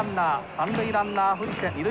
三塁ランナー藤瀬二塁